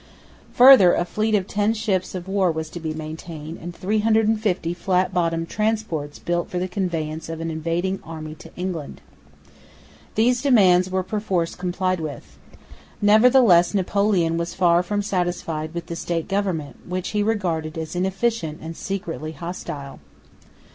Further, a fleet of ten ships of war was to be maintained, and 350 flat bottomed transports built for the conveyance of an invading army to England. These demands were perforce complied with. Nevertheless Napoleon was far from satisfied with the State Government, which he regarded as inefficient and secretly hostile.